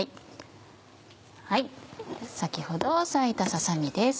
先ほど裂いたささ身です。